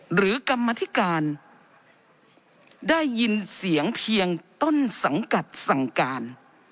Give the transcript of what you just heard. หรือกรรมธิการได้ยินเสียงเพียงต้นสังกัดสั่งการ